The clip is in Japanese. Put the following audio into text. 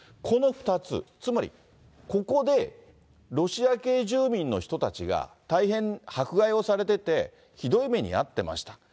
この２つ、つまりここで、ロシア系住民の人たちが大変迫害をされてて、ひどい目に遭ってました。